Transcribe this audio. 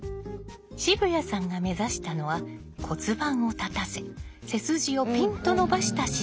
渋谷さんが目指したのは骨盤を立たせ背筋をピンと伸ばした姿勢。